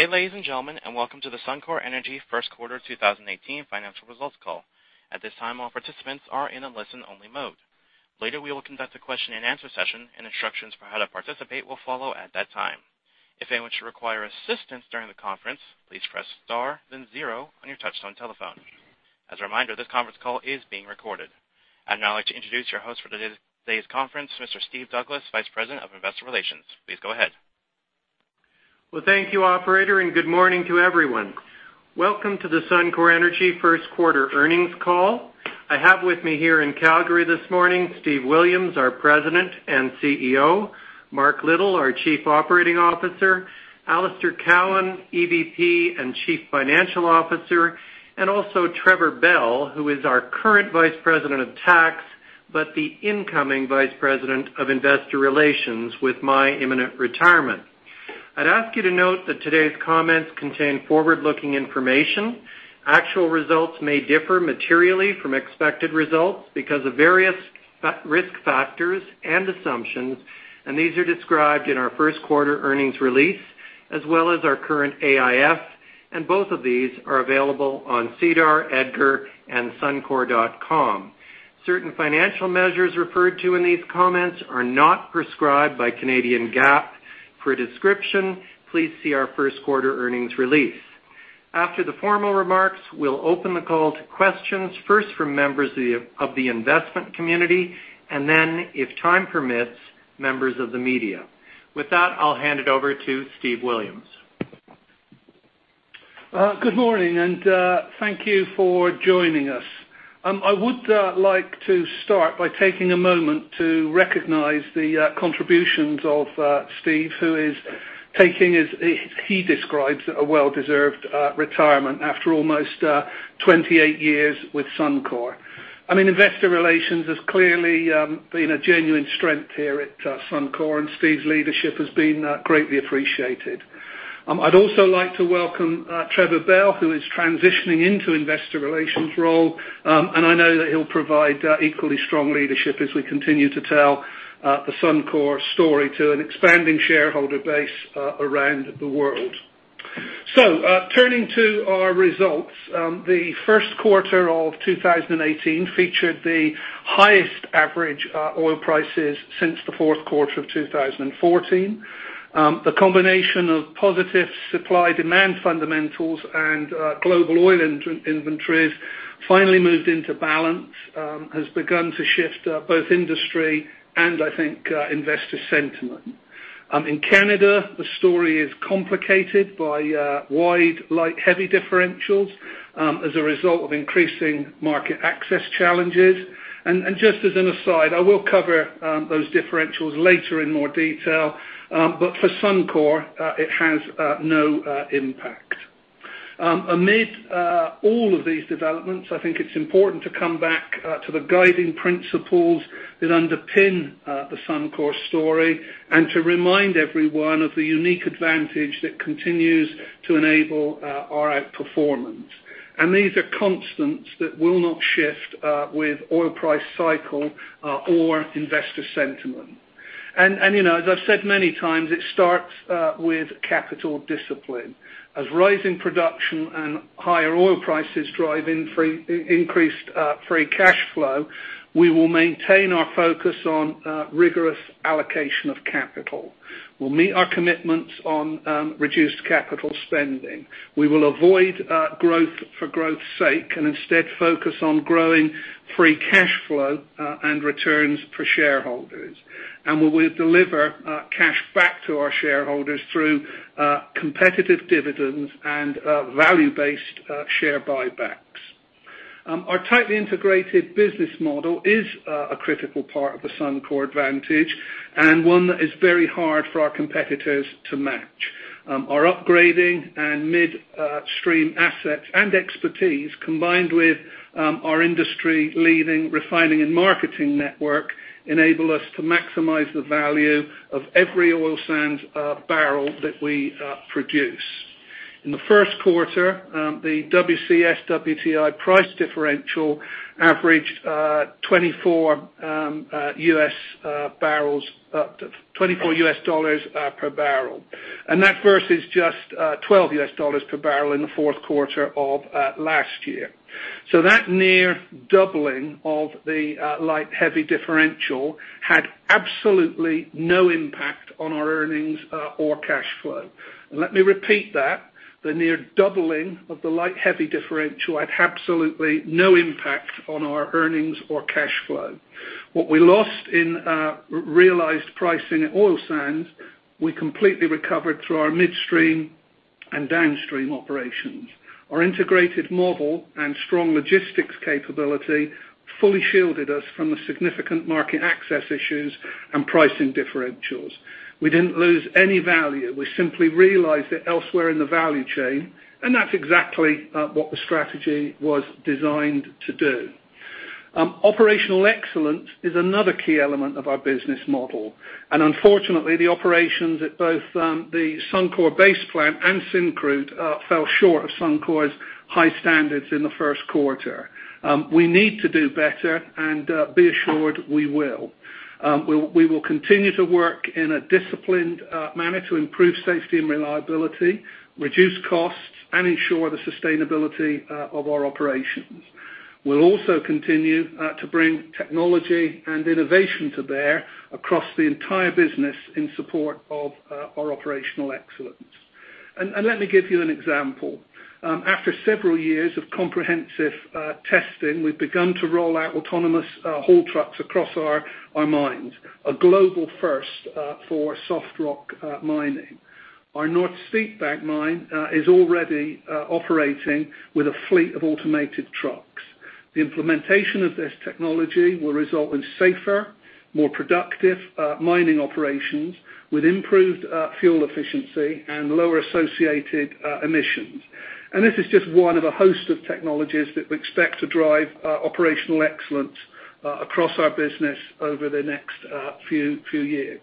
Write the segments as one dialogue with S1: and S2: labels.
S1: Good day, ladies and gentlemen, and welcome to the Suncor Energy first quarter 2018 financial results call. At this time, all participants are in a listen-only mode. Later, we will conduct a question-and-answer session, and instructions for how to participate will follow at that time. If anyone should require assistance during the conference, please press star then zero on your touchtone telephone. As a reminder, this conference call is being recorded. I'd now like to introduce your host for today's conference, Mr. Steve Douglas, Vice President of Investor Relations. Please go ahead.
S2: Thank you, operator, and good morning to everyone. Welcome to the Suncor Energy first quarter earnings call. I have with me here in Calgary this morning, Steve Williams, our President and CEO, Mark Little, our Chief Operating Officer, Alister Cowan, EVP and Chief Financial Officer, and also Trevor Bell, who is our current Vice President of Tax, but the incoming Vice President of Investor Relations with my imminent retirement. I'd ask you to note that today's comments contain forward-looking information. Actual results may differ materially from expected results because of various risk factors and assumptions. These are described in our first quarter earnings release, as well as our current AIF, both of these are available on SEDAR, EDGAR, and suncor.com. Certain financial measures referred to in these comments are not prescribed by Canadian GAAP. For a description, please see our first quarter earnings release. After the formal remarks, we'll open the call to questions, first from members of the investment community, then if time permits, members of the media. With that, I'll hand it over to Steve Williams.
S3: Good morning, thank you for joining us. I would like to start by taking a moment to recognize the contributions of Steve, who is taking, as he describes it, a well-deserved retirement after almost 28 years with Suncor. Investor relations has clearly been a genuine strength here at Suncor. Steve's leadership has been greatly appreciated. I'd also like to welcome Trevor Bell, who is transitioning into Investor Relations role. I know that he'll provide equally strong leadership as we continue to tell the Suncor story to an expanding shareholder base around the world. Turning to our results. The first quarter of 2018 featured the highest average oil prices since the fourth quarter of 2014. The combination of positive supply-demand fundamentals, global oil inventories finally moved into balance, has begun to shift both industry and I think, investor sentiment. In Canada, the story is complicated by wide light heavy differentials as a result of increasing market access challenges. Just as an aside, I will cover those differentials later in more detail. For Suncor, it has no impact. Amid all of these developments, I think it is important to come back to the guiding principles that underpin the Suncor story and to remind everyone of the unique advantage that continues to enable our outperformance. These are constants that will not shift with oil price cycle or investor sentiment. As I've said many times, it starts with capital discipline. As rising production and higher oil prices drive increased free cash flow, we will maintain our focus on rigorous allocation of capital. We will meet our commitments on reduced capital spending. We will avoid growth for growth's sake and instead focus on growing free cash flow and returns per shareholders. We will deliver cash back to our shareholders through competitive dividends and value-based share buybacks. Our tightly integrated business model is a critical part of the Suncor advantage and one that is very hard for our competitors to match. Our upgrading and midstream assets and expertise, combined with our industry-leading refining and marketing network, enable us to maximize the value of every oil sands barrel that we produce. In the first quarter, the WCS-WTI price differential averaged $24 per barrel versus just $12 per barrel in the fourth quarter of last year. That near doubling of the light heavy differential had absolutely no impact on our earnings or cash flow. Let me repeat that. The near doubling of the light heavy differential had absolutely no impact on our earnings or cash flow. What we lost in realized pricing at oil sands, we completely recovered through our midstream and downstream operations. Our integrated model and strong logistics capability fully shielded us from the significant market access issues and pricing differentials. We didn't lose any value. We simply realized it elsewhere in the value chain. That's exactly what the strategy was designed to do. Operational excellence is another key element of our business model. Unfortunately, the operations at both the Suncor base plant and Syncrude fell short of Suncor's high standards in the first quarter. We need to do better and be assured we will. We will continue to work in a disciplined manner to improve safety and reliability, reduce costs, and ensure the sustainability of our operations. We will also continue to bring technology and innovation to bear across the entire business in support of our operational excellence. Let me give you an example. After several years of comprehensive testing, we've begun to roll out autonomous haul trucks across our mines, a global first for soft rock mining. Our North Steepbank mine is already operating with a fleet of automated trucks. The implementation of this technology will result in safer, more productive mining operations with improved fuel efficiency and lower associated emissions. This is just one of a host of technologies that we expect to drive operational excellence across our business over the next few years.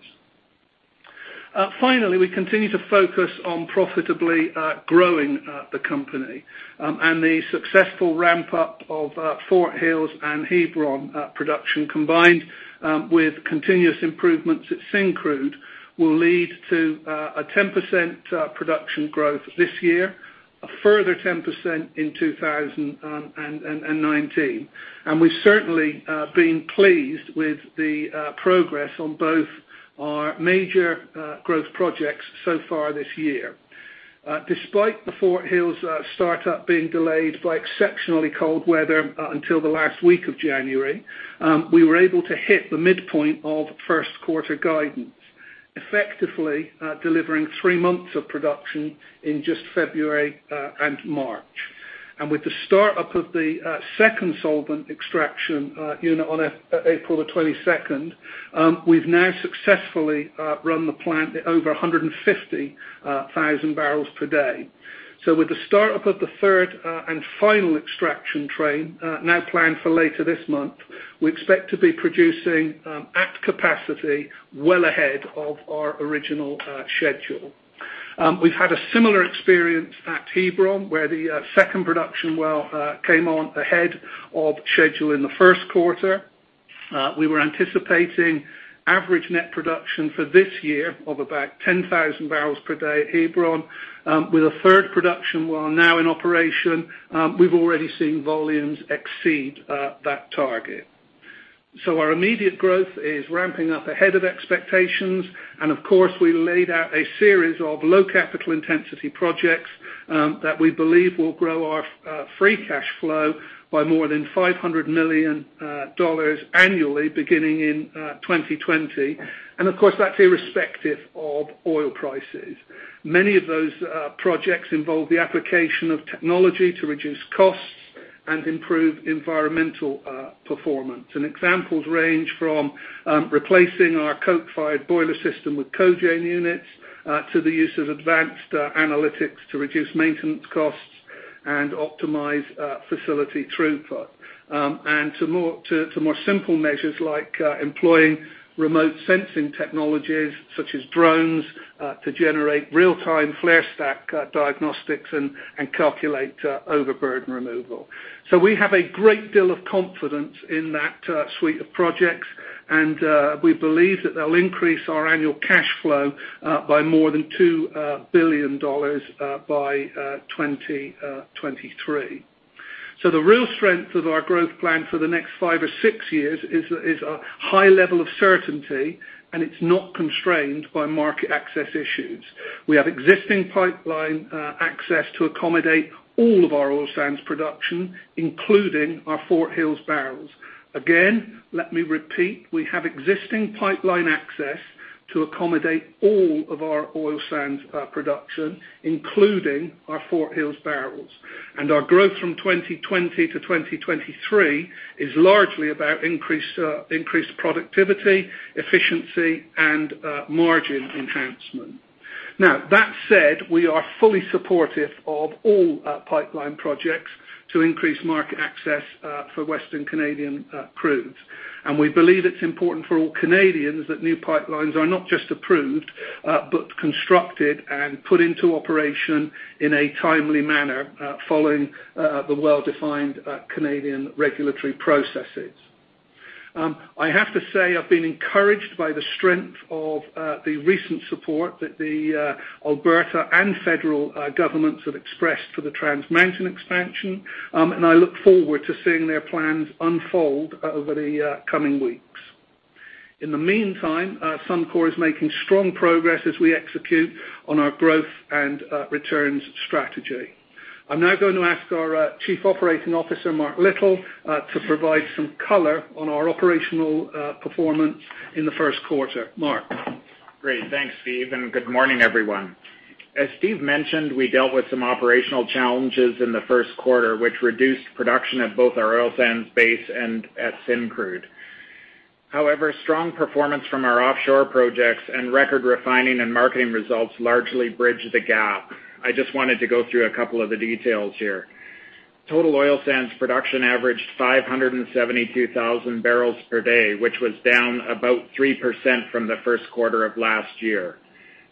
S3: Finally, we continue to focus on profitably growing the company. The successful ramp-up of Fort Hills and Hebron production, combined with continuous improvements at Syncrude, will lead to a 10% production growth this year, a further 10% in 2019. We've certainly been pleased with the progress on both our major growth projects so far this year. Despite the Fort Hills startup being delayed by exceptionally cold weather until the last week of January, we were able to hit the midpoint of first-quarter guidance, effectively delivering three months of production in just February and March. With the startup of the second solvent extraction unit on April 22nd, we've now successfully run the plant at over 150,000 barrels per day. With the startup of the third and final extraction train now planned for later this month, we expect to be producing at capacity well ahead of our original schedule. We've had a similar experience at Hebron, where the second production well came on ahead of schedule in the first quarter. We were anticipating average net production for this year of about 10,000 barrels per day at Hebron. With a third production well now in operation, we've already seen volumes exceed that target. Our immediate growth is ramping up ahead of expectations. Of course, we laid out a series of low capital intensity projects that we believe will grow our free cash flow by more than 500 million dollars annually beginning in 2020. Of course, that's irrespective of oil prices. Many of those projects involve the application of technology to reduce costs and improve environmental performance. Examples range from replacing our coke-fired boiler system with cogen units, to the use of advanced analytics to reduce maintenance costs and optimize facility throughput. To more simple measures like employing remote sensing technologies such as drones to generate real-time flare stack diagnostics and calculate overburden removal. We have a great deal of confidence in that suite of projects, and we believe that they'll increase our annual cash flow by more than 2 billion dollars by 2023. The real strength of our growth plan for the next five or six years is a high level of certainty, and it's not constrained by market access issues. We have existing pipeline access to accommodate all of our oil sands production, including our Fort Hills barrels. Again, let me repeat, we have existing pipeline access to accommodate all of our oil sands production, including our Fort Hills barrels. Our growth from 2020 to 2023 is largely about increased productivity, efficiency, and margin enhancement. Now, that said, we are fully supportive of all pipeline projects to increase market access for Western Canadian crudes. We believe it's important for all Canadians that new pipelines are not just approved, but constructed and put into operation in a timely manner following the well-defined Canadian regulatory processes. I have to say, I've been encouraged by the strength of the recent support that the Alberta and federal governments have expressed for the Trans Mountain expansion, and I look forward to seeing their plans unfold over the coming weeks. In the meantime, Suncor is making strong progress as we execute on our growth and returns strategy. I'm now going to ask our Chief Operating Officer, Mark Little, to provide some color on our operational performance in the first quarter. Mark?
S4: Great. Thanks, Steve, and good morning, everyone. As Steve mentioned, we dealt with some operational challenges in the first quarter, which reduced production at both our oil sands base and at Syncrude. However, strong performance from our offshore projects and record refining and marketing results largely bridged the gap. I just wanted to go through a couple of the details here. Total oil sands production averaged 572,000 barrels per day, which was down about 3% from the first quarter of last year.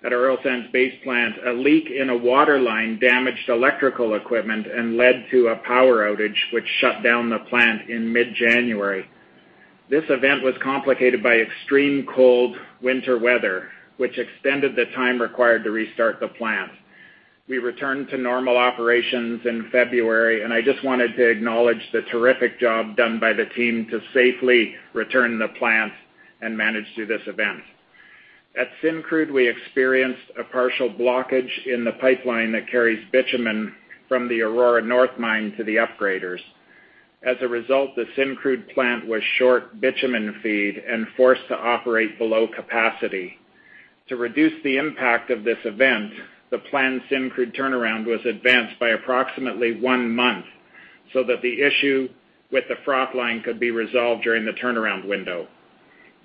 S4: At our Oil Sands base plant, a leak in a waterline damaged electrical equipment and led to a power outage, which shut down the plant in mid-January. This event was complicated by extreme cold winter weather, which extended the time required to restart the plant. We returned to normal operations in February, and I just wanted to acknowledge the terrific job done by the team to safely return the plant and manage through this event. At Syncrude, we experienced a partial blockage in the pipeline that carries bitumen from the Aurora North mine to the upgraders. As a result, the Syncrude plant was short bitumen feed and forced to operate below capacity. To reduce the impact of this event, the planned Syncrude turnaround was advanced by approximately one month, so that the issue with the froth line could be resolved during the turnaround window.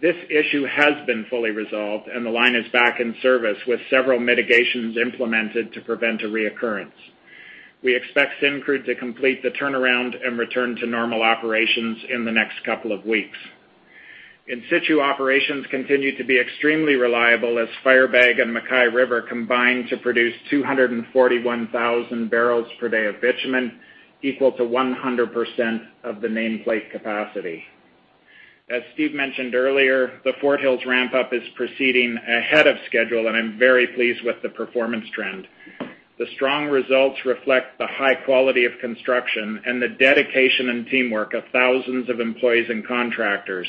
S4: This issue has been fully resolved, and the line is back in service with several mitigations implemented to prevent a reoccurrence. We expect Syncrude to complete the turnaround and return to normal operations in the next couple of weeks. In situ operations continue to be extremely reliable as Firebag and MacKay River combine to produce 241,000 barrels per day of bitumen, equal to 100% of the nameplate capacity. As Steve mentioned earlier, the Fort Hills ramp-up is proceeding ahead of schedule, and I'm very pleased with the performance trend. The strong results reflect the high quality of construction and the dedication and teamwork of thousands of employees and contractors,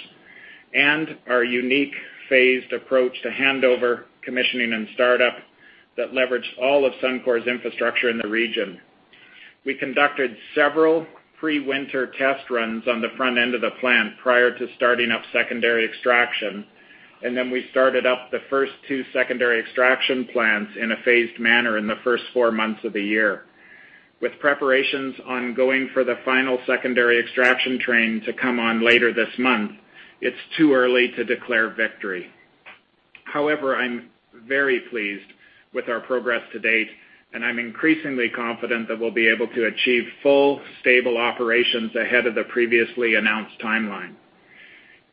S4: and our unique phased approach to handover, commissioning, and startup that leveraged all of Suncor's infrastructure in the region. We conducted several pre-winter test runs on the front end of the plant prior to starting up secondary extraction, and then we started up the first two secondary extraction plants in a phased manner in the first four months of the year. With preparations ongoing for the final secondary extraction train to come on later this month, it's too early to declare victory. However, I'm very pleased with our progress to date, and I'm increasingly confident that we'll be able to achieve full, stable operations ahead of the previously announced timeline.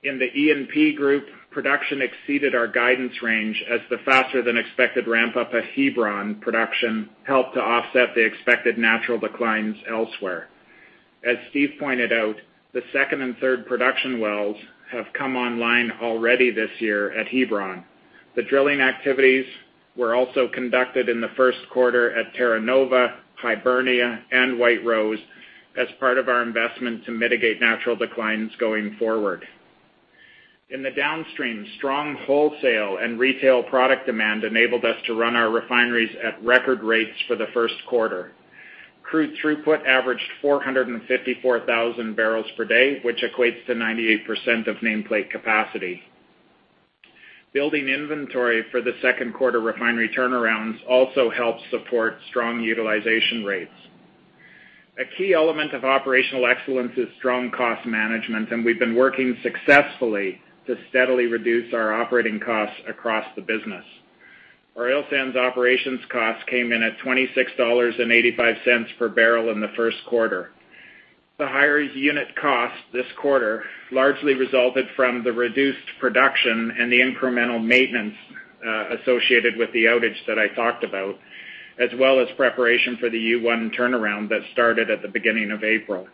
S4: In the E&P group, production exceeded our guidance range as the faster than expected ramp-up at Hebron production helped to offset the expected natural declines elsewhere. As Steve pointed out, the second and third production wells have come online already this year at Hebron. The drilling activities were also conducted in the first quarter at Terra Nova, Hibernia, and White Rose as part of our investment to mitigate natural declines going forward. In the downstream, strong wholesale and retail product demand enabled us to run our refineries at record rates for the first quarter. Crude throughput averaged 454,000 barrels per day, which equates to 98% of nameplate capacity. Building inventory for the second quarter refinery turnarounds also helps support strong utilization rates. A key element of operational excellence is strong cost management. We've been working successfully to steadily reduce our operating costs across the business. Our Oil Sands operations costs came in at 26.85 dollars per barrel in the first quarter. The higher unit cost this quarter largely resulted from the reduced production and the incremental maintenance associated with the outage that I talked about, as well as preparation for the U1 turnaround that started at the beginning of April.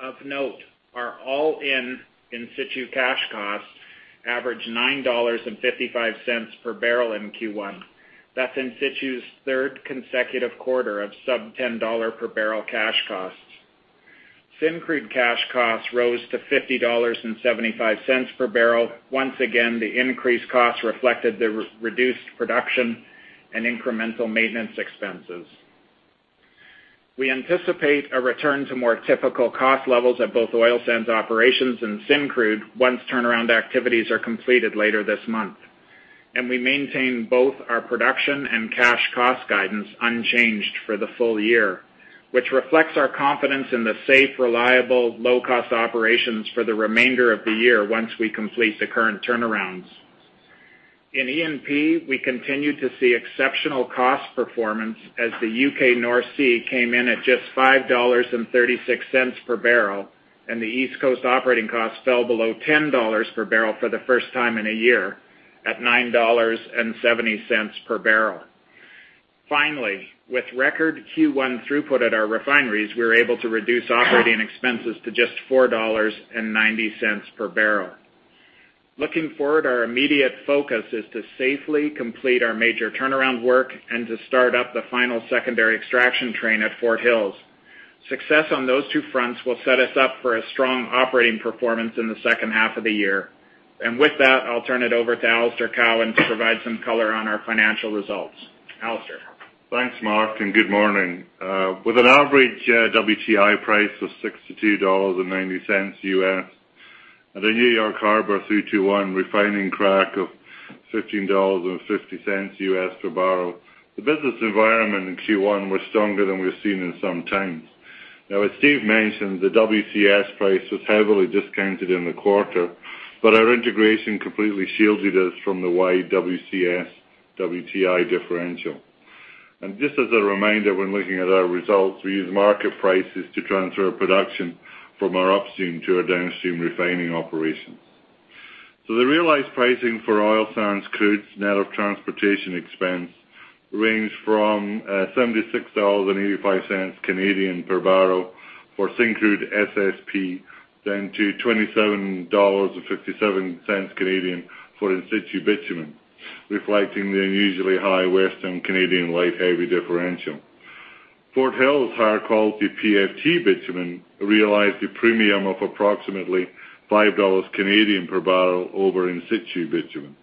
S4: Of note, our all-in in situ cash costs averaged 9.55 dollars per barrel in Q1. That's in situ's third consecutive quarter of sub-CAD 10 per barrel cash costs. Syncrude cash costs rose to 50.75 dollars per barrel. Once again, the increased costs reflected the reduced production and incremental maintenance expenses. We anticipate a return to more typical cost levels at both Oil Sands operations and Syncrude once turnaround activities are completed later this month. We maintain both our production and cash cost guidance unchanged for the full year, which reflects our confidence in the safe, reliable, low-cost operations for the remainder of the year once we complete the current turnarounds. In E&P, we continued to see exceptional cost performance as the U.K. North Sea came in at just 5.36 dollars per barrel, and the East Coast operating costs fell below 10 dollars per barrel for the first time in a year at 9.70 dollars per barrel. Finally, with record Q1 throughput at our refineries, we were able to reduce operating expenses to just 4.90 dollars per barrel. Looking forward, our immediate focus is to safely complete our major turnaround work and to start up the final secondary extraction train at Fort Hills. Success on those two fronts will set us up for a strong operating performance in the second half of the year. With that, I'll turn it over to Alister Cowan to provide some color on our financial results. Alister.
S5: Thanks, Mark, and good morning. With an average WTI price of $62.90 US at a New York Harbor 3-2-1 refining crack of $15.50 US per barrel, the business environment in Q1 was stronger than we've seen in some time. As Steve mentioned, the WCS price was heavily discounted in the quarter, but our integration completely shielded us from the wide WCS-WTI differential. Just as a reminder when looking at our results, we use market prices to transfer our production from our upstream to our downstream refining operations. The realized pricing for oil sands crudes net of transportation expense ranged from 76.85 Canadian dollars Canadian per barrel for Syncrude SSP then to 27.57 Canadian dollars Canadian for in situ bitumen, reflecting the unusually high Western Canadian light-heavy differential. Fort Hills higher quality PFT bitumen realized a premium of approximately 5 Canadian dollars Canadian per barrel over in situ bitumen.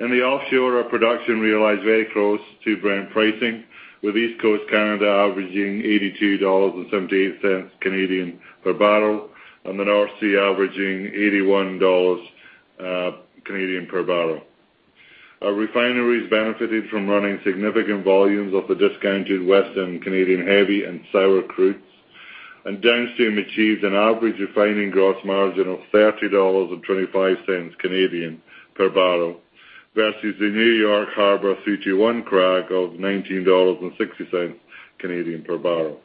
S5: In the offshore, our production realized very close to Brent pricing, with East Coast Canada averaging 82.78 Canadian dollars per barrel and the North Sea averaging 81 Canadian dollars per barrel. Downstream achieved an average refining gross margin of 30.25 Canadian dollars per barrel versus the New York Harbor 3-2-1 crack of 19.60 Canadian dollars per barrel.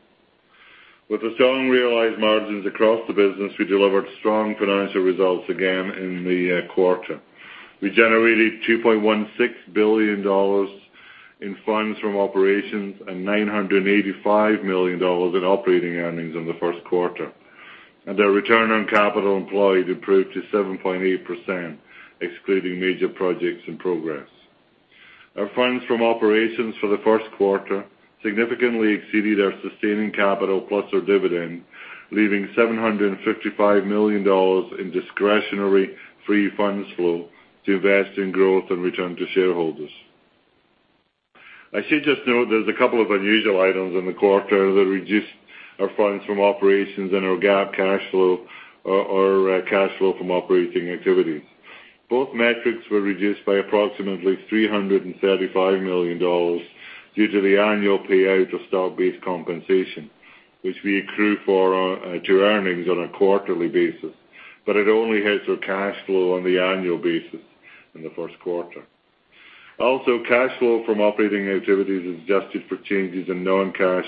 S5: With the strong realized margins across the business, we delivered strong financial results again in the quarter. We generated 2.16 billion dollars in funds from operations and 985 million dollars in operating earnings in the first quarter. Our return on capital employed improved to 7.8%, excluding major projects in progress. Our funds from operations for the first quarter significantly exceeded our sustaining capital plus our dividend, leaving 755 million dollars in discretionary free funds flow to invest in growth and return to shareholders. I should just note there's a couple of unusual items in the quarter that reduced our funds from operations and our GAAP cash flow or cash flow from operating activities. Both metrics were reduced by approximately 335 million dollars due to the annual payout of stock-based compensation, which we accrue to earnings on a quarterly basis. It only hits our cash flow on the annual basis in the first quarter. Cash flow from operating activities is adjusted for changes in non-cash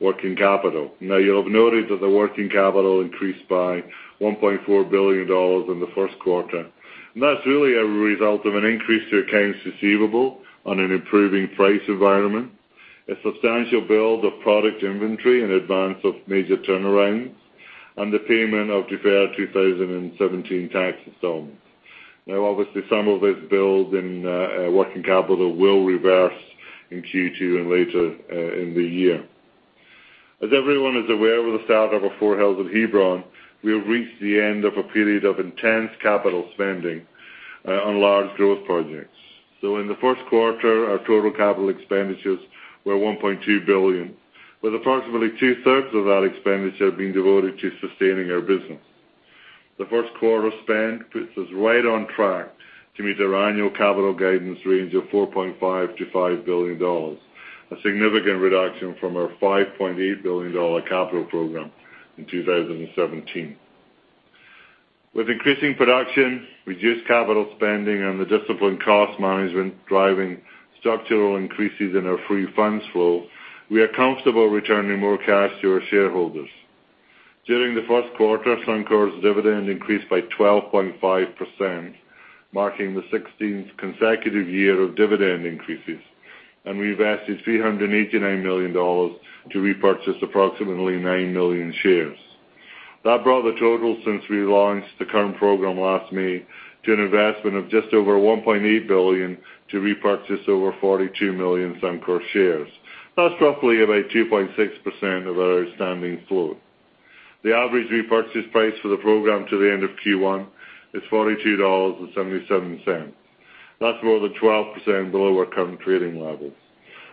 S5: working capital. You'll have noted that the working capital increased by 1.4 billion dollars in the first quarter, and that's really a result of an increase to accounts receivable on an improving price environment, a substantial build of product inventory in advance of major turnarounds, and the payment of deferred 2017 taxes. Obviously, some of this build in working capital will reverse in Q2 and later in the year. As everyone is aware, with the start of our Fort Hills at Hebron, we have reached the end of a period of intense capital spending on large growth projects. In the first quarter, our total capital expenditures were 1.2 billion, with approximately two-thirds of that expenditure being devoted to sustaining our business. The first quarter spend puts us right on track to meet our annual capital guidance range of 4.5 billion-5 billion dollars, a significant reduction from our 5.8 billion dollar capital program in 2017. With increasing production, reduced capital spending, and the disciplined cost management driving structural increases in our free funds flow, we are comfortable returning more cash to our shareholders. During the first quarter, Suncor's dividend increased by 12.5%, marking the 16th consecutive year of dividend increases. We invested 389 million dollars to repurchase approximately 9 million shares. That brought the total since we launched the current program last May to an investment of just over 1.8 billion to repurchase over 42 million Suncor shares. That's roughly about 2.6% of our outstanding float. The average repurchase price for the program to the end of Q1 is 42.77 dollars. That's more than 12% below our current trading levels.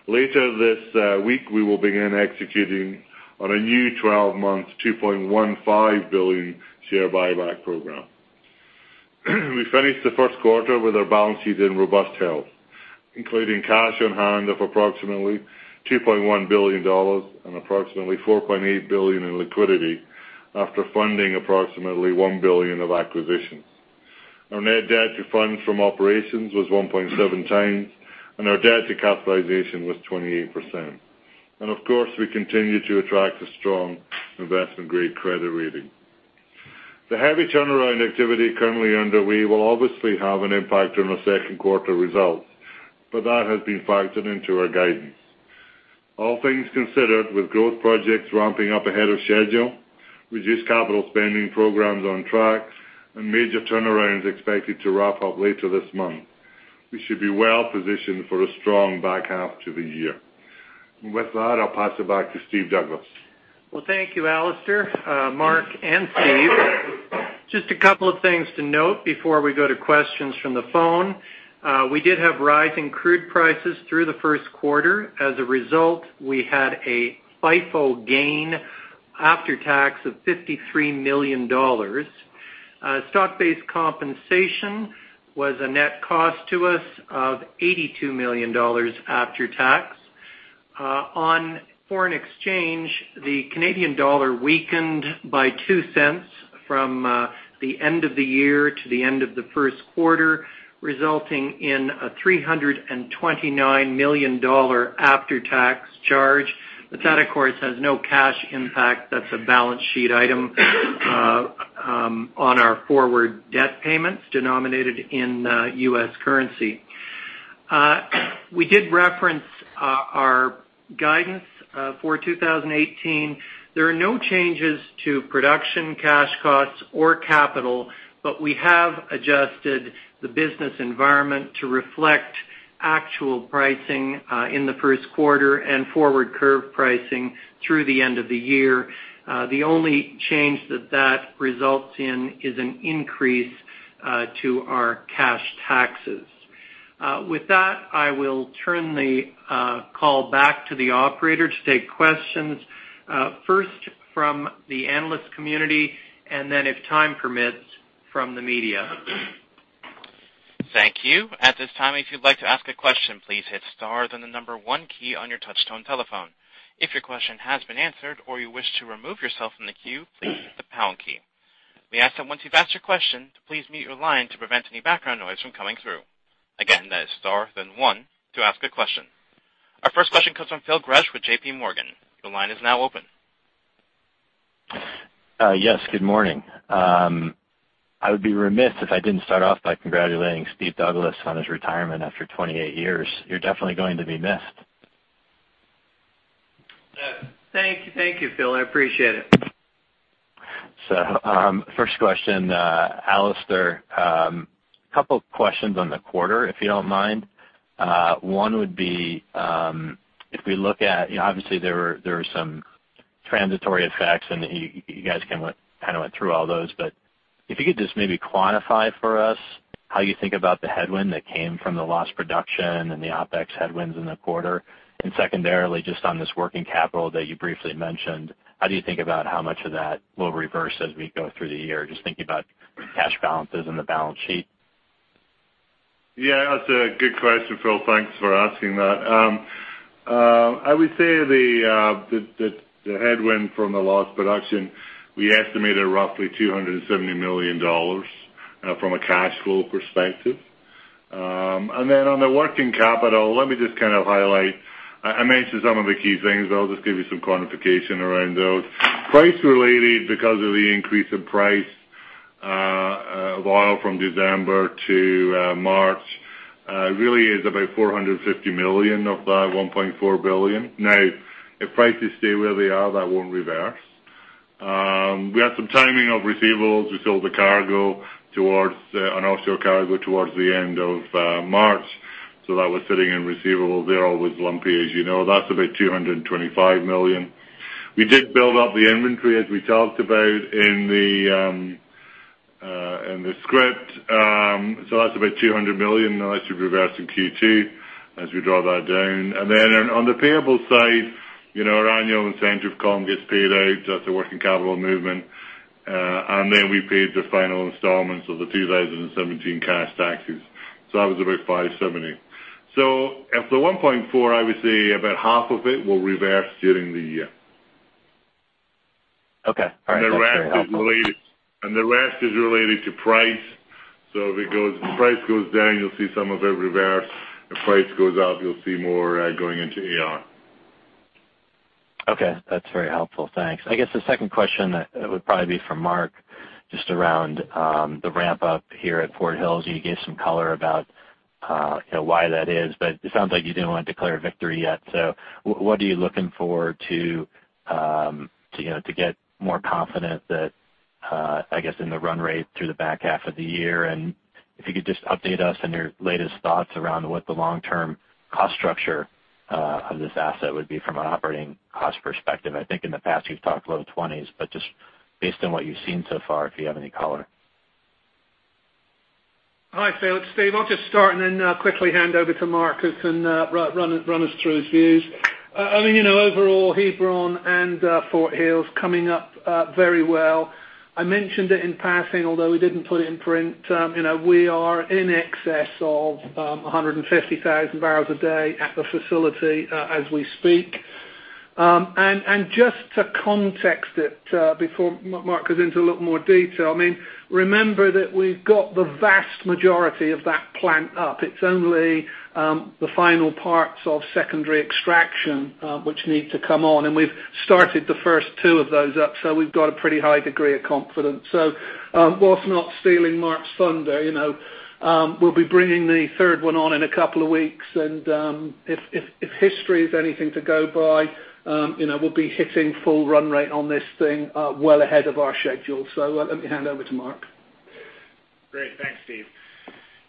S5: Later this week, we will begin executing on a new 12-month, 2.15 billion share buyback program. We finished the first quarter with our balance sheet in robust health, including cash on hand of approximately 2.1 billion dollars and approximately 4.8 billion in liquidity after funding approximately 1 billion of acquisitions. Our net debt to funds from operations was 1.7 times, and our debt to capitalization was 28%. Of course, we continue to attract a strong investment-grade credit rating. The heavy turnaround activity currently underway will obviously have an impact on our second quarter results, but that has been factored into our guidance. All things considered, with growth projects ramping up ahead of schedule, reduced capital spending programs on track, and major turnarounds expected to wrap up later this month, we should be well-positioned for a strong back half to the year. With that, I'll pass it back to Steve Douglas.
S2: Well, thank you, Alister, Mark, and Steve. Just a couple of things to note before we go to questions from the phone. We did have rising crude prices through the first quarter. As a result, we had a FIFO gain after tax of 53 million dollars. Stock-based compensation was a net cost to us of 82 million dollars after tax. On foreign exchange, the Canadian dollar weakened by 0.02 from the end of the year to the end of the first quarter, resulting in a 329 million dollar after-tax charge. That, of course, has no cash impact. That's a balance sheet item on our forward debt payments denominated in US currency. We did reference our guidance for 2018. There are no changes to production, cash costs or capital, but we have adjusted the business environment to reflect actual pricing in the first quarter and forward curve pricing through the end of the year. The only change that results in is an increase to our cash taxes. With that, I will turn the call back to the operator to take questions, first from the analyst community and then, if time permits, from the media.
S1: Thank you. At this time, if you'd like to ask a question, please hit star, then the number one key on your touchtone telephone. If your question has been answered or you wish to remove yourself from the queue, please hit the pound key. We ask that once you've asked your question, please mute your line to prevent any background noise from coming through. Again, that is star, then one to ask a question. Our first question comes from Phil Gresh with JPMorgan. Your line is now open.
S6: Yes, good morning. I would be remiss if I didn't start off by congratulating Steve Douglas on his retirement after 28 years. You're definitely going to be missed.
S2: Thank you, Phil. I appreciate it.
S6: First question. Alister, a couple of questions on the quarter, if you don't mind. One would be, obviously, there were some transitory effects, and you guys kind of went through all those, but if you could just maybe quantify for us how you think about the headwind that came from the lost production and the OpEx headwinds in the quarter. Secondarily, just on this working capital that you briefly mentioned, how do you think about how much of that will reverse as we go through the year? Just thinking about cash balances and the balance sheet.
S5: That's a good question, Phil. Thanks for asking that. I would say the headwind from the lost production, we estimated roughly 270 million dollars from a cash flow perspective. On the working capital, let me just kind of highlight. I mentioned some of the key things, I'll just give you some quantification around those. Price related, because of the increase in price of oil from December to March, really is about 450 million of that 1.4 billion. If prices stay where they are, that won't reverse. We had some timing of receivables. We sold the cargo, an offshore cargo, towards the end of March, that was sitting in receivables. They're always lumpy, as you know. That's about 225 million. We did build up the inventory, as we talked about in the script. That's about 200 million that should reverse in Q2 as we draw that down. On the payable side, our annual incentive comp gets paid out as a working capital movement. We paid the final installments of the 2017 cash taxes. That was about 570 million. Of the 1.4 billion, I would say about half of it will reverse during the year.
S6: Okay. All right. That's very helpful.
S5: The rest is related to price. If the price goes down, you'll see some of it reverse. If price goes up, you'll see more going into AR.
S6: Okay. That's very helpful. Thanks. I guess the second question would probably be for Mark, just around the ramp-up here at Fort Hills. You gave some color about why that is, but it sounds like you didn't want to declare victory yet. What are you looking for to get more confident that, I guess, in the run rate through the back half of the year? If you could just update us on your latest thoughts around what the long-term cost structure of this asset would be from an operating cost perspective. I think in the past you've talked low 20s, but just based on what you've seen so far, if you have any color.
S3: Hi, Phil. It's Steve. I'll just start and then quickly hand over to Mark, who can run us through his views. Overall, Hebron and Fort Hills coming up very well. I mentioned it in passing, although we didn't put it in print. We are in excess of 150,000 barrels a day at the facility as we speak. Just to context it, before Mark goes into a lot more detail, remember that we've got the vast majority of that plant up. It's only the final parts of secondary extraction which need to come on, and we've started the first two of those up, so we've got a pretty high degree of confidence. Whilst not stealing Mark's thunder, we'll be bringing the third one on in a couple of weeks. If history is anything to go by, we'll be hitting full run rate on this thing well ahead of our schedule. Let me hand over to Mark.
S4: Great. Thanks, Steve.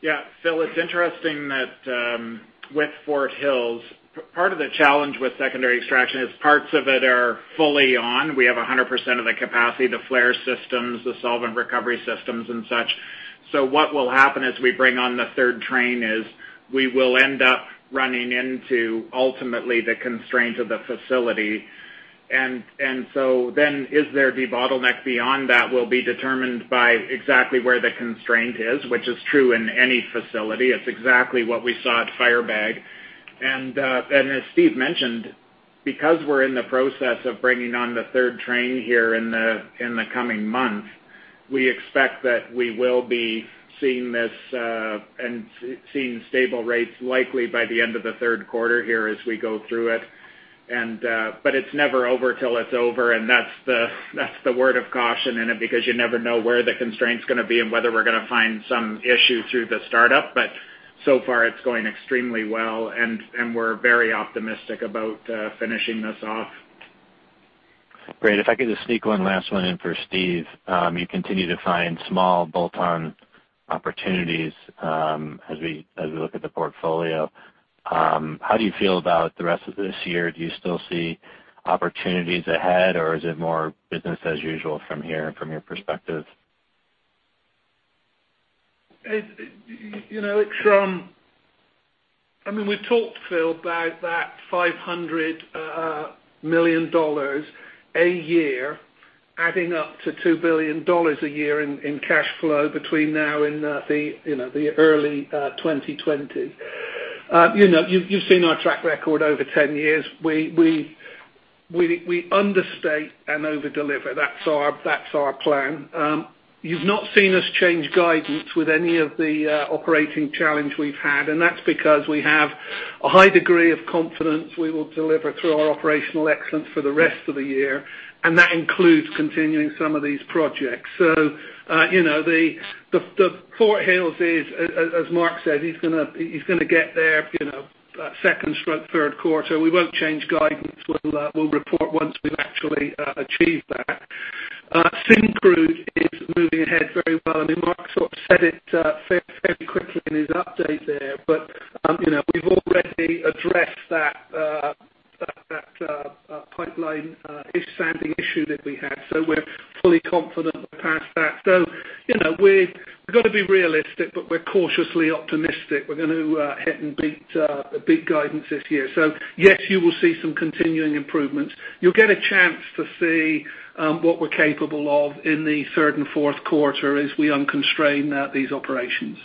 S4: Yeah, Phil, it's interesting that with Fort Hills, part of the challenge with secondary extraction is parts of it are fully on. We have 100% of the capacity, the flare systems, the solvent recovery systems and such. What will happen as we bring on the third train is we will end up running into, ultimately, the constraints of the facility. Is there the bottleneck beyond that will be determined by exactly where the constraint is, which is true in any facility. It's exactly what we saw at Firebag. As Steve mentioned, because we're in the process of bringing on the third train here in the coming month, we expect that we will be seeing this, and seeing stable rates likely by the end of the third quarter here as we go through it. It is never over till it is over, and that is the word of caution in it, because you never know where the constraint is going to be and whether we are going to find some issue through the startup. So far, it is going extremely well, and we are very optimistic about finishing this off.
S6: Great. If I could just sneak one last one in for Steve. You continue to find small bolt-on opportunities as we look at the portfolio. How do you feel about the rest of this year? Do you still see opportunities ahead, or is it more business as usual from here from your perspective?
S3: I mean, we have talked, Phil, about that 500 million dollars a year adding up to 2 billion dollars a year in cash flow between now and the early 2020. You have seen our track record over 10 years. We understate and over-deliver. That is our plan. You have not seen us change guidance with any of the operating challenge we have had, and that is because we have a high degree of confidence we will deliver through our operational excellence for the rest of the year, and that includes continuing some of these projects. The Fort Hills is, as Mark said, he is going to get there second stroke third quarter. We will not change guidance. We will report once we have actually achieved that. Syncrude is moving ahead very well. I mean, Mark sort of said it fairly quickly in his update there, but we have already addressed that pipeline standing issue that we had. We are fully confident we are past that. We have got to be realistic, but we are cautiously optimistic we are going to hit and beat the beat guidance this year. Yes, you will see some continuing improvements. You will get a chance to see what we are capable of in the third and fourth quarter as we unconstrain these operations.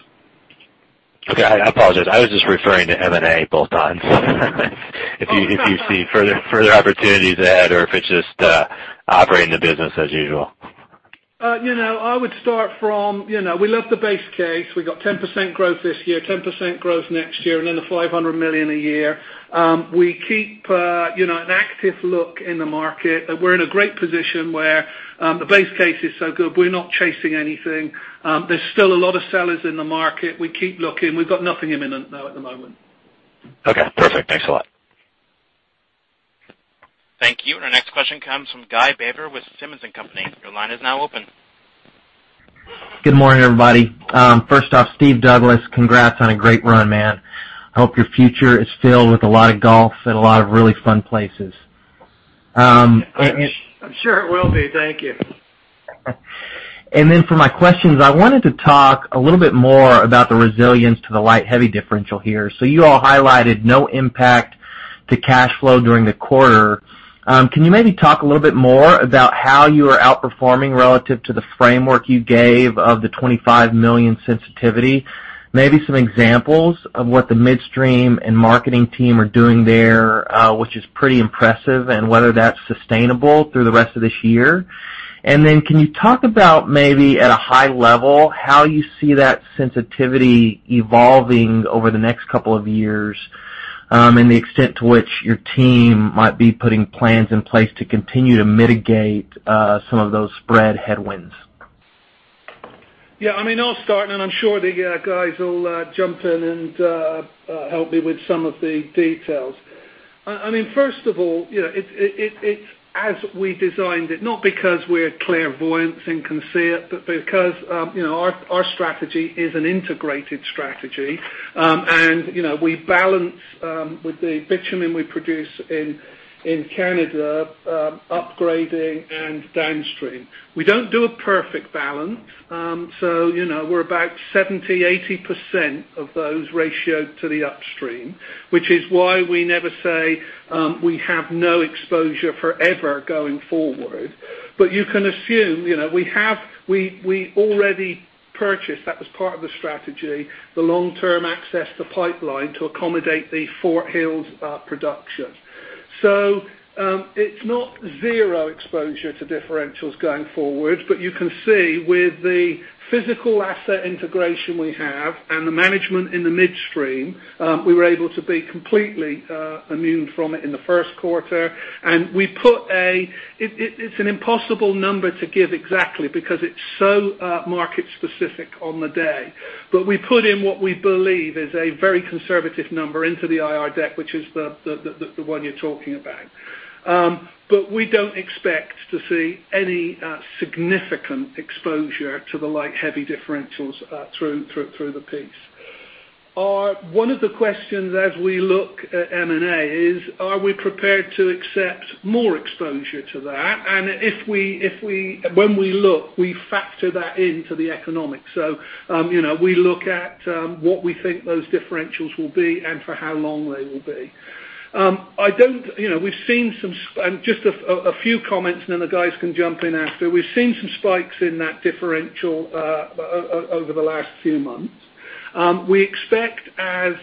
S6: Okay. I apologize. I was just referring to M&A bolt-ons.
S3: Oh.
S6: If you see further opportunities ahead or if it's just operating the business as usual.
S3: I would start from we love the base case. We got 10% growth this year, 10% growth next year, and then the 500 million a year. We keep an active look in the market. We're in a great position where the base case is so good, we're not chasing anything. There's still a lot of sellers in the market. We keep looking. We've got nothing imminent though at the moment.
S6: Okay, perfect. Thanks a lot.
S1: Thank you. Our next question comes from Guy Baber with Simmons & Company. Your line is now open.
S7: Good morning, everybody. First off, Steve Douglas, congrats on a great run, man. I hope your future is filled with a lot of golf and a lot of really fun places.
S2: I'm sure it will be. Thank you.
S7: For my questions, I wanted to talk a little bit more about the resilience to the light heavy differential here. You all highlighted no impact to cash flow during the quarter. Can you maybe talk a little bit more about how you are outperforming relative to the framework you gave of the 25 million sensitivity? Maybe some examples of what the midstream and marketing team are doing there, which is pretty impressive, and whether that's sustainable through the rest of this year. Can you talk about maybe at a high level, how you see that sensitivity evolving over the next couple of years, and the extent to which your team might be putting plans in place to continue to mitigate some of those spread headwinds?
S3: I mean, I'll start, and I'm sure the guys will jump in and help me with some of the details. First of all, it's as we designed it, not because we're clairvoyant and can see it, but because our strategy is an integrated strategy. We balance with the bitumen we produce in Canada, upgrading and downstream. We don't do a perfect balance. We're about 70%-80% of those ratio to the upstream, which is why we never say we have no exposure forever going forward. You can assume, we already purchased, that was part of the strategy, the long-term access to pipeline to accommodate the Fort Hills production. It's not zero exposure to differentials going forward. You can see with the physical asset integration we have and the management in the midstream, we were able to be completely immune from it in the first quarter. It's an impossible number to give exactly because it's so market-specific on the day. We put in what we believe is a very conservative number into the IR deck, which is the one you're talking about. We don't expect to see any significant exposure to the light heavy differentials through the piece. One of the questions as we look at M&A is, are we prepared to accept more exposure to that? When we look, we factor that into the economics. We look at what we think those differentials will be and for how long they will be. We've seen some. Just a few comments and then the guys can jump in after. We've seen some spikes in that differential over the last few months. We expect as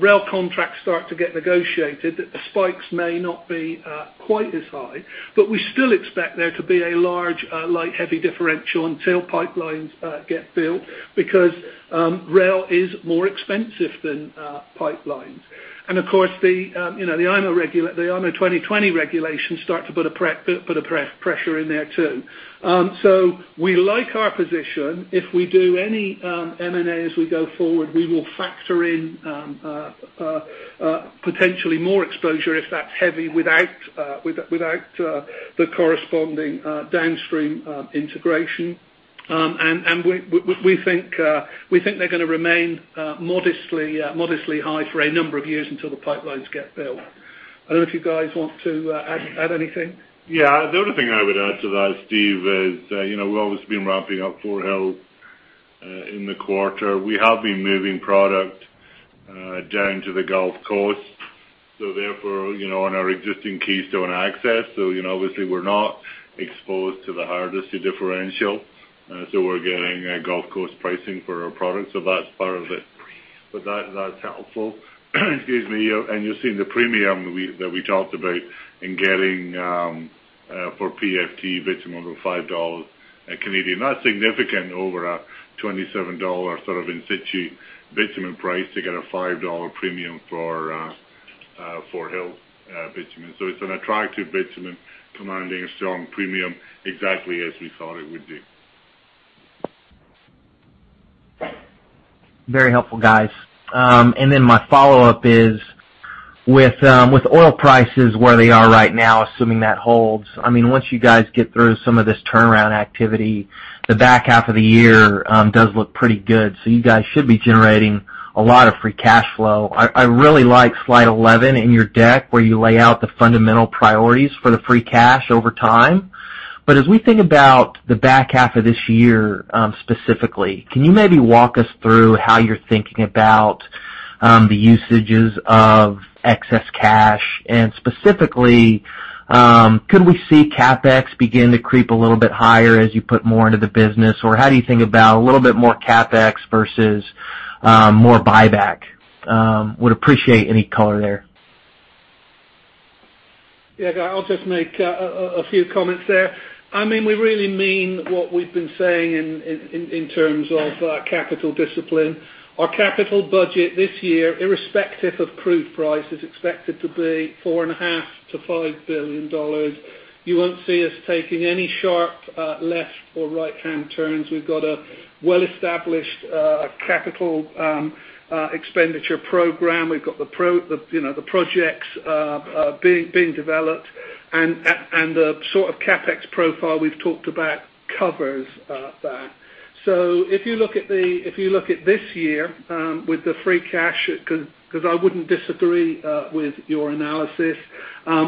S3: rail contracts start to get negotiated, that the spikes may not be quite as high, but we still expect there to be a large light-heavy differential until pipelines get built, because rail is more expensive than pipelines. Of course, the IMO 2020 regulations start to put a pressure in there, too. We like our position. If we do any M&As we go forward, we will factor in potentially more exposure if that's heavy without the corresponding downstream integration. We think they're going to remain modestly high for a number of years until the pipelines get built. I don't know if you guys want to add anything.
S5: Yeah. The only thing I would add to that, Steve, is we've obviously been ramping up Fort Hills in the quarter. We have been moving product down to the Gulf Coast. Therefore, on our existing Keystone access, obviously we're not exposed to the hardest of differential. We're getting Gulf Coast pricing for our product. That's part of it. That's helpful. Excuse me. You're seeing the premium that we talked about in getting for PFT bitumen of 5 dollars. That's significant over a 27 dollar sort of in situ bitumen price to get a 5 dollar premium for Fort Hills bitumen. It's an attractive bitumen commanding a strong premium exactly as we thought it would do.
S7: Very helpful, guys. My follow-up is with oil prices where they are right now, assuming that holds, once you guys get through some of this turnaround activity, the back half of the year does look pretty good. You guys should be generating a lot of free cash flow. I really like slide 11 in your deck, where you lay out the fundamental priorities for the free cash over time. As we think about the back half of this year, specifically, can you maybe walk us through how you're thinking about the usages of excess cash? Specifically, could we see CapEx begin to creep a little bit higher as you put more into the business? Or how do you think about a little bit more CapEx versus more buyback? Would appreciate any color there.
S3: Yeah. I'll just make a few comments there. We really mean what we've been saying in terms of capital discipline. Our capital budget this year, irrespective of crude price, is expected to be 4.5 billion-5 billion dollars. You won't see us taking any sharp left or right-hand turns. We've got a well-established capital expenditure program. We've got the projects being developed. The sort of CapEx profile we've talked about covers that. If you look at this year with the free cash, because I wouldn't disagree with your analysis,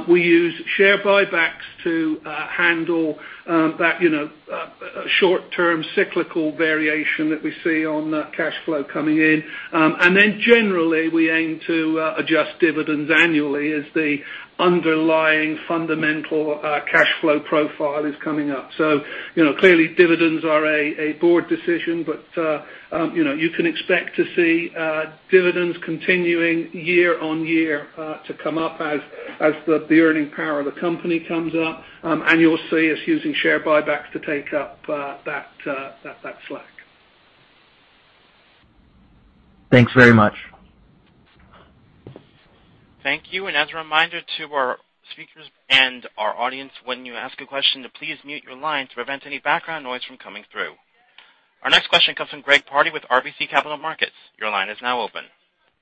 S3: we use share buybacks to handle that short-term cyclical variation that we see on cash flow coming in. Generally, we aim to adjust dividends annually as the underlying fundamental cash flow profile is coming up. Clearly dividends are a board decision, you can expect to see dividends continuing year-over-year to come up as the earning power of the company comes up. You'll see us using share buybacks to take up that slack.
S7: Thanks very much.
S1: Thank you. As a reminder to our speakers and our audience, when you ask a question to please mute your line to prevent any background noise from coming through. Our next question comes from Greg Pardy with RBC Capital Markets. Your line is now open.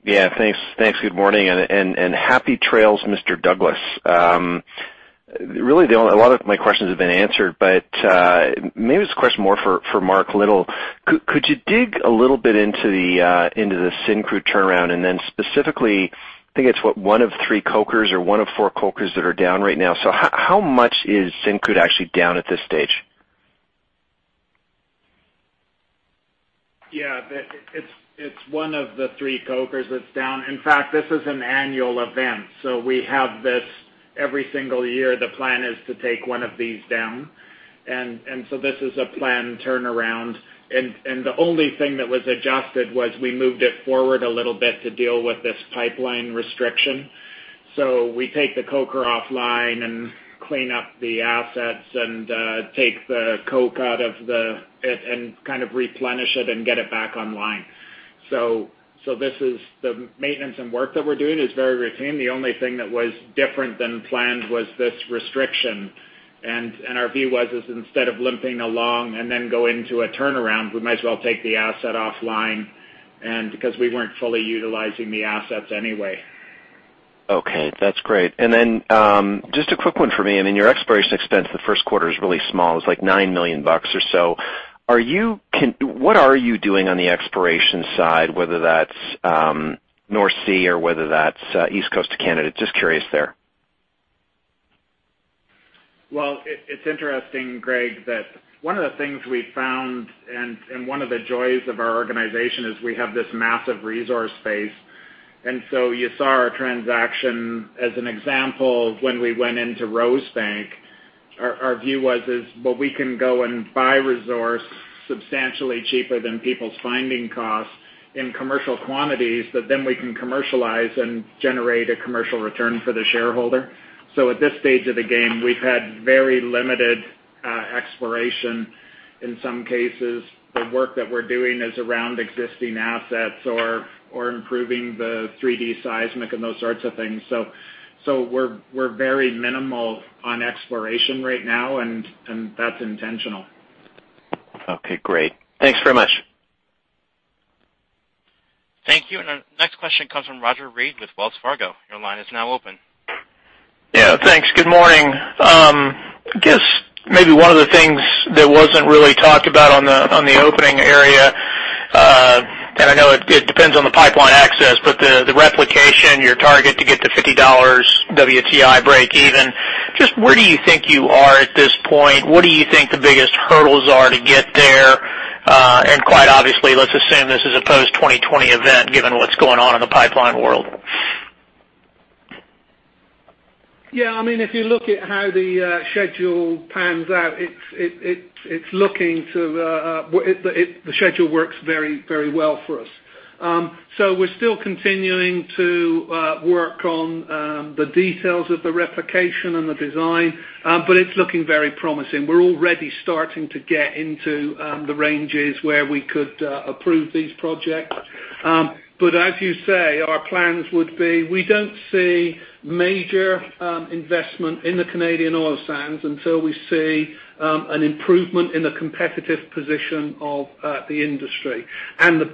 S8: Yeah, thanks. Good morning and happy trails, Mr. Douglas. Really a lot of my questions have been answered, maybe this is a question more for Mark Little. Could you dig a little bit into the Syncrude turnaround, and then specifically, I think it's, what, one of three cokers or one of four cokers that are down right now. How much is Syncrude actually down at this stage?
S4: Yeah. It's one of the three cokers that's down. In fact, this is an annual event, we have this every single year. The plan is to take one of these down. This is a planned turnaround. The only thing that was adjusted was we moved it forward a little bit to deal with this pipeline restriction. We take the coker offline and clean up the assets and take the coke out of it and replenish it and get it back online. The maintenance and work that we're doing is very routine. The only thing that was different than planned was this restriction. Our view was, is instead of limping along and then going to a turnaround, we might as well take the asset offline. Because we weren't fully utilizing the assets anyway.
S8: Okay. That's great. Just a quick one for me. Your exploration expense the first quarter is really small. It's like nine million bucks or so. What are you doing on the exploration side, whether that's North Sea or whether that's East Coast of Canada? Just curious there.
S4: Well, it's interesting, Greg, that one of the things we've found, and one of the joys of our organization, is we have this massive resource space. You saw our transaction as an example of when we went into Rosebank. Our view was, well, we can go and buy resource substantially cheaper than people's finding costs in commercial quantities that then we can commercialize and generate a commercial return for the shareholder. At this stage of the game, we've had very limited exploration. In some cases, the work that we're doing is around existing assets or improving the 3D seismic and those sorts of things. We're very minimal on exploration right now, and that's intentional.
S8: Okay, great. Thanks very much.
S1: Thank you. Our next question comes from Roger Read with Wells Fargo. Your line is now open.
S9: Yeah, thanks. Good morning. I guess maybe one of the things that wasn't really talked about on the opening area. I know it depends on the pipeline access, the replication, your target to get to $50 WTI breakeven. Just where do you think you are at this point? What do you think the biggest hurdles are to get there? Quite obviously, let's assume this is a post-2020 event, given what's going on in the pipeline world.
S3: If you look at how the schedule pans out, the schedule works very well for us. We're still continuing to work on the details of the replication and the design. It's looking very promising. We're already starting to get into the ranges where we could approve these projects. As you say, our plans would be, we don't see major investment in the Canadian oil sands until we see an improvement in the competitive position of the industry.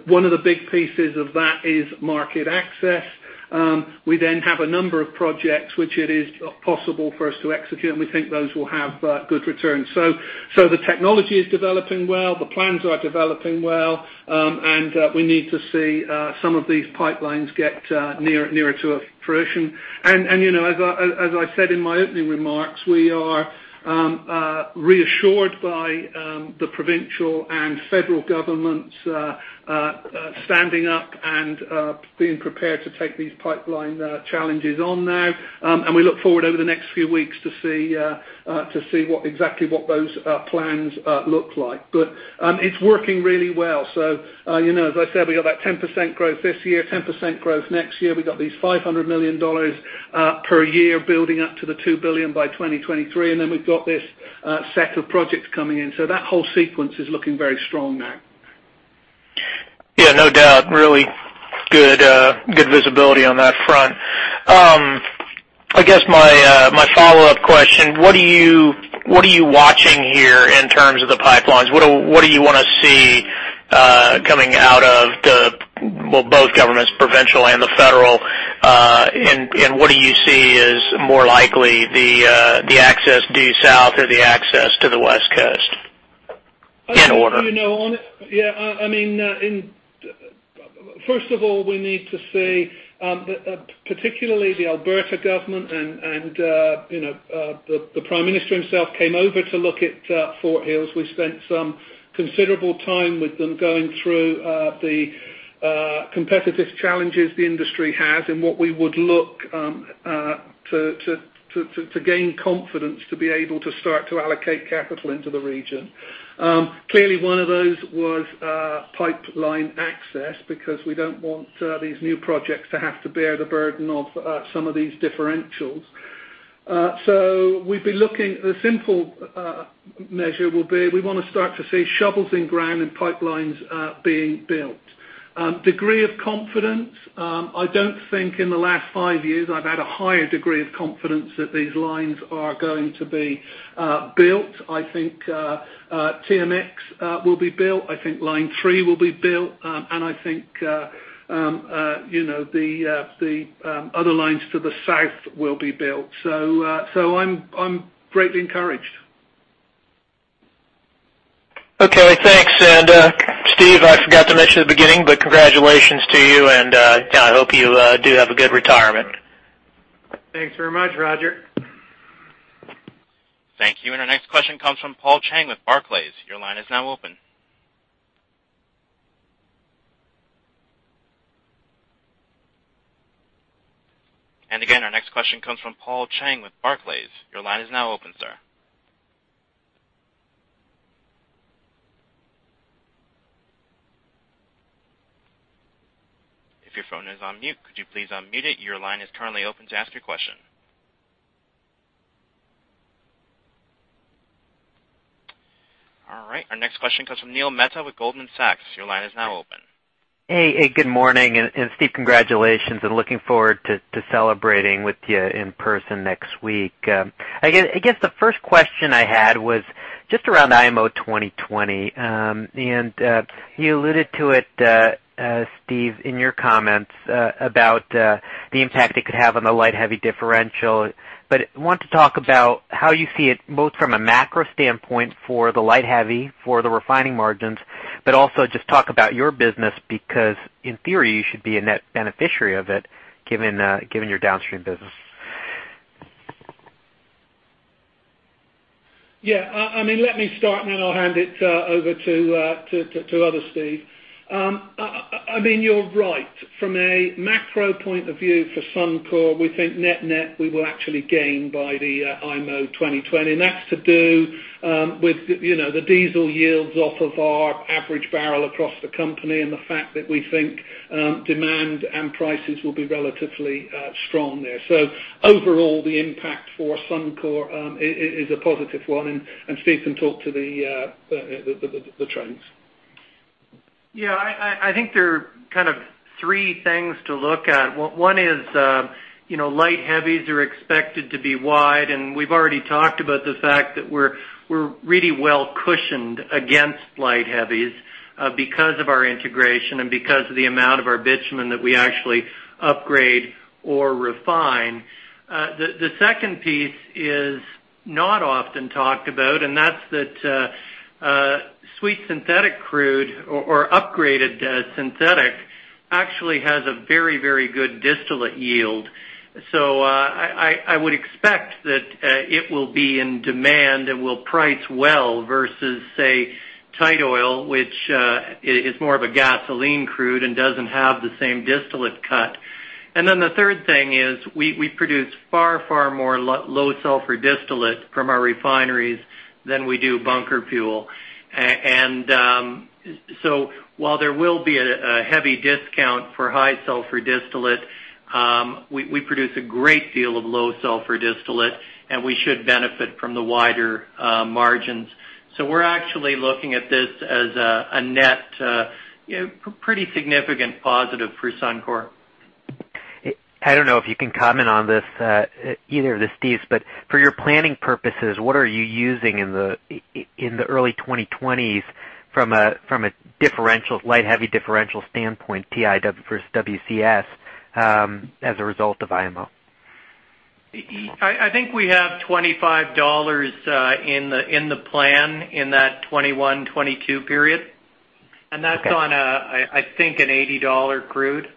S3: One of the big pieces of that is market access. We have a number of projects which it is possible for us to execute, and we think those will have good returns. The technology is developing well, the plans are developing well, and we need to see some of these pipelines get nearer to fruition. As I said in my opening remarks, we are reassured by the provincial and federal governments standing up and being prepared to take these pipeline challenges on now. We look forward over the next few weeks to see exactly what those plans look like. It's working really well. As I said, we've got that 10% growth this year, 10% growth next year. We've got these 500 million dollars per year building up to the 2 billion by 2023. We've got this set of projects coming in. That whole sequence is looking very strong now.
S9: No doubt. Really good visibility on that front. I guess my follow-up question, what are you watching here in terms of the pipelines? What do you want to see coming out of, well, both governments, provincial and the federal? What do you see as more likely, the access due south or the access to the West Coast, in order?
S3: First of all, we need to see, particularly the Alberta government and the Prime Minister himself came over to look at Fort Hills. We spent some considerable time with them going through the competitive challenges the industry has and what we would look to gain confidence to be able to start to allocate capital into the region. Clearly, one of those was pipeline access because we don't want these new projects to have to bear the burden of some of these differentials. We've been looking. The simple measure will be, we want to start to see shovels in ground and pipelines being built. Degree of confidence, I don't think in the last five years I've had a higher degree of confidence that these lines are going to be built. I think TMX will be built, I think Line 3 will be built, and I think the other lines to the south will be built. I'm greatly encouraged.
S9: Okay, thanks. Steve, I forgot to mention at the beginning, but congratulations to you, and I hope you do have a good retirement.
S2: Thanks very much, Roger.
S1: Thank you. Our next question comes from Paul Cheng with Barclays. Your line is now open. Again, our next question comes from Paul Cheng with Barclays. Your line is now open, sir. If your phone is on mute, could you please unmute it? Your line is currently open to ask your question. All right. Our next question comes from Neil Mehta with Goldman Sachs. Your line is now open.
S10: Good morning. Steve, congratulations, and looking forward to celebrating with you in person next week. I guess the first question I had was just around IMO 2020. You alluded to it, Steve, in your comments, about the impact it could have on the light, heavy differential. I want to talk about how you see it both from a macro standpoint for the light heavy for the refining margins. Also just talk about your business because in theory, you should be a net beneficiary of it, given your downstream business.
S3: Yeah. Let me start. Then I'll hand it over to other Steve. You're right. From a macro point of view for Suncor, we think net-net, we will actually gain by the IMO 2020, that's to do with the diesel yields off of our average barrel across the company and the fact that we think demand and prices will be relatively strong there. Overall, the impact for Suncor is a positive one, and Steve can talk to the trends.
S5: Yeah, I think there are three things to look at. One is light heavies are expected to be wide, we've already talked about the fact that we're really well cushioned against light heavies because of our integration and because of the amount of our bitumen that we actually upgrade or refine. The second piece is not often talked about, that's that sweet synthetic crude or upgraded synthetic actually has a very, very good distillate yield. I would expect that it will be in demand and will price well versus, say, tight oil, which is more of a gasoline crude and doesn't have the same distillate cut. The third thing is we produce far, far more low sulfur distillate from our refineries than we do bunker fuel. While there will be a heavy discount for high sulfur distillate, we produce a great deal of low sulfur distillate, we should benefit from the wider margins. We're actually looking at this as a net pretty significant positive for Suncor.
S10: I don't know if you can comment on this, either of the Steves, but for your planning purposes, what are you using in the early 2020s from a light heavy differential standpoint, WTI versus WCS, as a result of IMO?
S5: I think we have 25 dollars in the plan in that 2021, 2022 period.
S10: Okay.
S5: That's on, I think, a 80 dollar crude.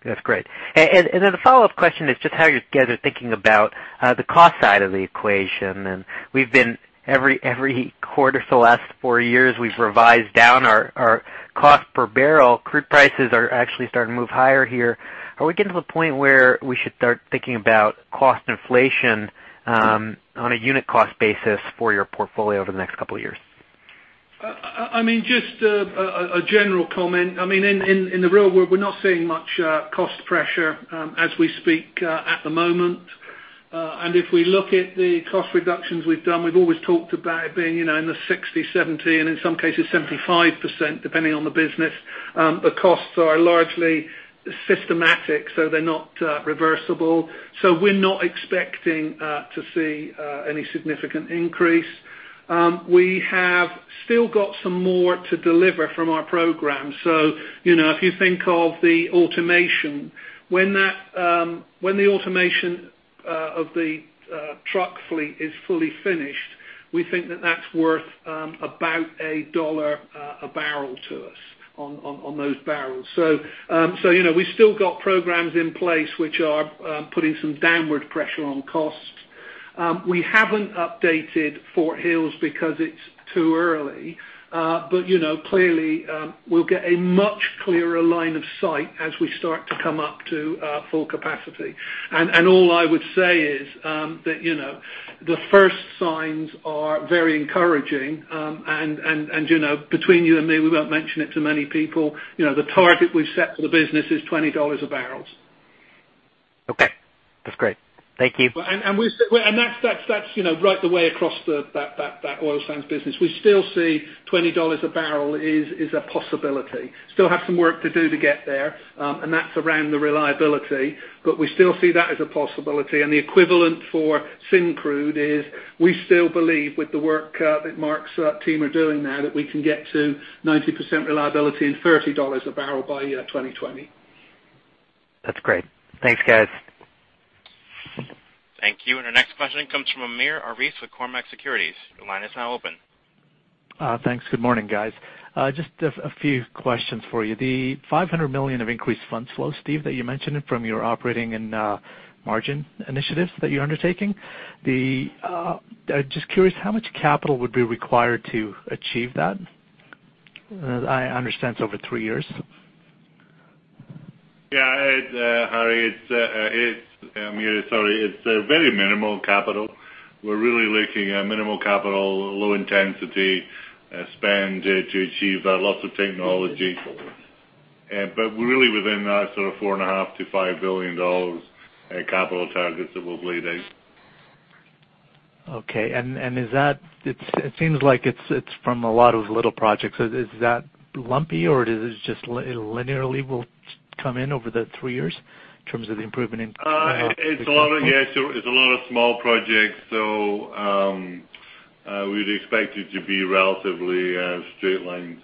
S10: Okay. That's great. Then the follow-up question is just how you guys are thinking about the cost side of the equation. Every quarter for the last four years, we've revised down our cost per barrel. Crude prices are actually starting to move higher here. Are we getting to the point where we should start thinking about cost inflation on a unit cost basis for your portfolio over the next couple of years?
S3: Just a general comment. In the real world, we're not seeing much cost pressure as we speak at the moment. If we look at the cost reductions we've done, we've always talked about it being in the 60%, 70%, and in some cases, 75%, depending on the business. The costs are largely systematic, so they're not reversible. We're not expecting to see any significant increase. We have still got some more to deliver from our program. If you think of the automation. When the automation of the truck fleet is fully finished, we think that that's worth about CAD 1 a barrel to us on those barrels. We've still got programs in place which are putting some downward pressure on costs. We haven't updated Fort Hills because it's too early. Clearly, we'll get a much clearer line of sight as we start to come up to full capacity. All I would say is that the first signs are very encouraging, and between you and me, we won't mention it to many people. The target we've set for the business is 20 dollars a barrel.
S10: Okay. That's great. Thank you.
S3: That's right the way across that oil sands business. We still see 20 dollars a barrel is a possibility. Still have some work to do to get there, and that's around the reliability, but we still see that as a possibility, and the equivalent for Syncrude is we still believe with the work that Mark's team are doing now, that we can get to 90% reliability and 30 dollars a barrel by 2020.
S10: That's great. Thanks, guys.
S1: Thank you. Our next question comes from Amir Arif with Cormark Securities. Your line is now open.
S11: Thanks. Good morning, guys. Just a few questions for you. The 500 million of increased fund flow, Steve, that you mentioned from your operating and margin initiatives that you're undertaking. Just curious, how much capital would be required to achieve that? I understand it's over three years.
S5: Yeah. Amir, it's very minimal capital. We're really looking at minimal capital, low intensity spend to achieve lots of technology. Really within that sort of 4.5 billion-5 billion dollars capital targets that we'll bleed out.
S11: Okay. It seems like it's from a lot of little projects. Is that lumpy, or it linearly will come in over the three years in terms of the improvement in-
S5: It's a lot of small projects. We'd expect it to be relatively straight-lined.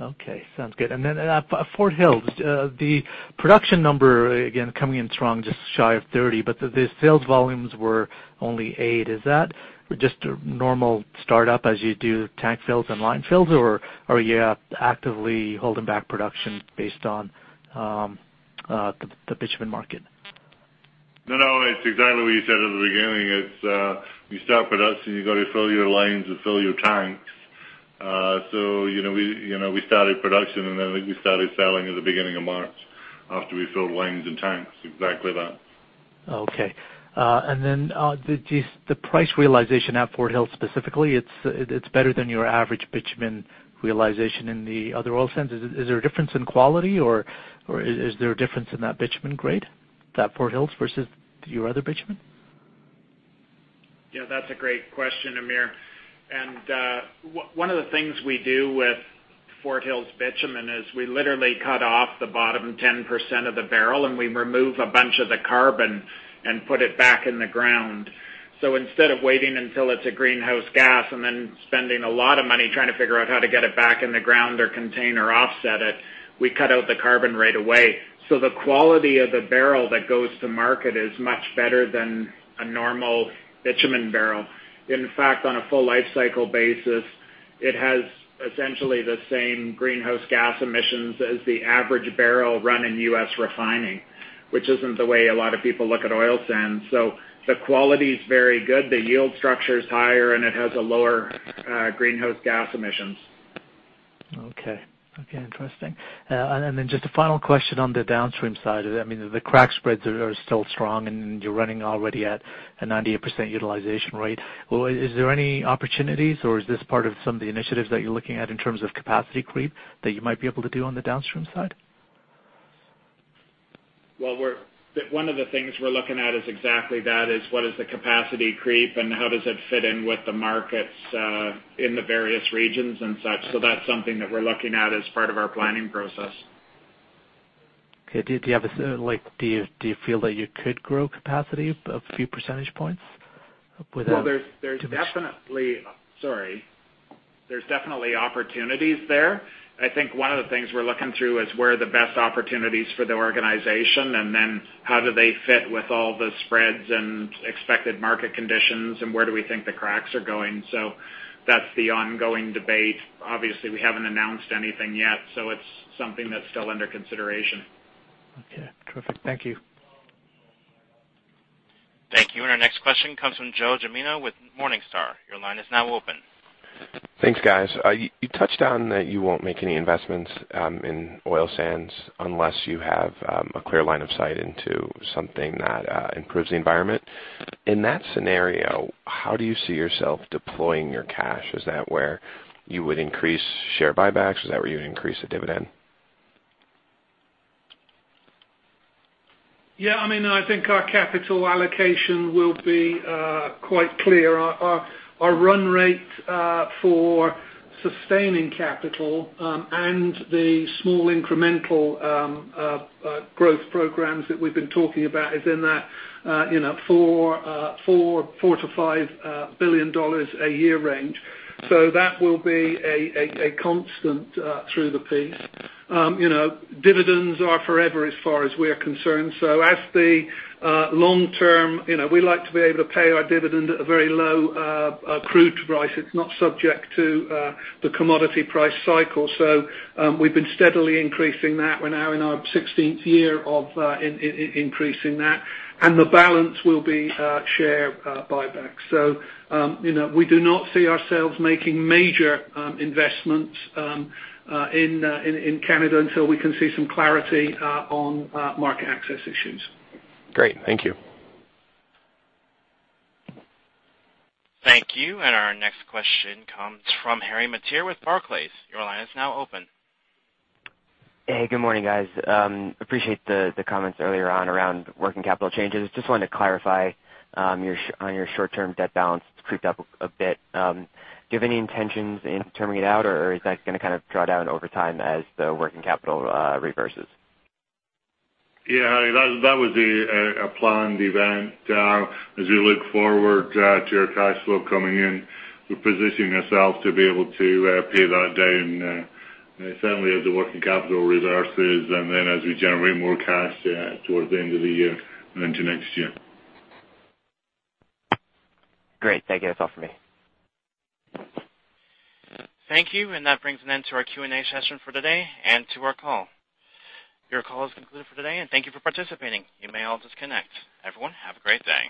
S11: Okay. Sounds good. At Fort Hills, the production number, again, coming in strong, just shy of 30, the sales volumes were only eight. Is that just a normal startup as you do tank fills and line fills, or are you actively holding back production based on the bitumen market?
S5: No, it's exactly what you said at the beginning. It's you start production, you got to fill your lines and fill your tanks. We started production, and then we started selling at the beginning of March after we filled lines and tanks. Exactly that.
S11: Okay. The price realization at Fort Hills specifically, it's better than your average bitumen realization in the other oil sands. Is there a difference in quality or is there a difference in that bitumen grade at Fort Hills versus your other bitumen?
S4: Yeah, that's a great question, Amir. One of the things we do with Fort Hills bitumen is we literally cut off the bottom 10% of the barrel, and we remove a bunch of the carbon and put it back in the ground. Instead of waiting until it's a greenhouse gas and then spending a lot of money trying to figure out how to get it back in the ground or contain or offset it, we cut out the carbon right away. The quality of the barrel that goes to market is much better than a normal bitumen barrel. In fact, on a full lifecycle basis, it has essentially the same greenhouse gas emissions as the average barrel run in U.S. refining, which isn't the way a lot of people look at oil sands. The quality's very good, the yield structure is higher, and it has a lower greenhouse gas emissions.
S11: Okay. Interesting. Just a final question on the downstream side. The crack spreads are still strong, and you're running already at a 98% utilization rate. Is there any opportunities, or is this part of some of the initiatives that you're looking at in terms of capacity creep that you might be able to do on the downstream side?
S4: Well, one of the things we're looking at is exactly that, is what is the capacity creep, and how does it fit in with the markets in the various regions and such. That's something that we're looking at as part of our planning process.
S11: Okay. Do you feel that you could grow capacity a few percentage points with?
S4: Well, Sorry. There's definitely opportunities there. I think one of the things we're looking through is where are the best opportunities for the organization, and then how do they fit with all the spreads and expected market conditions, and where do we think the cracks are going. That's the ongoing debate. Obviously, we haven't announced anything yet, so it's something that's still under consideration.
S11: Okay. Perfect. Thank you.
S1: Thank you. Our next question comes from Joe Gemino with Morningstar. Your line is now open.
S12: Thanks, guys. You touched on that you won't make any investments in oil sands unless you have a clear line of sight into something that improves the environment. In that scenario, how do you see yourself deploying your cash? Is that where you would increase share buybacks? Is that where you increase the dividend?
S3: Yeah. I think our capital allocation will be quite clear. Our run rate for sustaining capital, and the small incremental growth programs that we've been talking about is in that 4 billion-5 billion dollars a year range. That will be a constant through the piece. Dividends are forever as far as we're concerned. As the long term, we like to be able to pay our dividend at a very low crude price. It's not subject to the commodity price cycle. We've been steadily increasing that. We're now in our 16th year of increasing that. The balance will be share buybacks. We do not see ourselves making major investments in Canada until we can see some clarity on market access issues.
S12: Great. Thank you.
S1: Thank you. Our next question comes from Harry Mateer with Barclays. Your line is now open.
S13: Hey, good morning, guys. Appreciate the comments earlier on around working capital changes. Just wanted to clarify on your short-term debt balance, it's creeped up a bit. Do you have any intentions in terming it out, or is that going to draw down over time as the working capital reverses?
S5: Yeah, Harry, that was a planned event. As we look forward to our cash flow coming in, we're positioning ourselves to be able to pay that down. Certainly as the working capital reverses and then as we generate more cash towards the end of the year and into next year.
S13: Great. Thank you. That's all for me.
S1: Thank you. That brings an end to our Q&A session for today and to our call. Your call is concluded for today, and thank you for participating. You may all disconnect. Everyone, have a great day.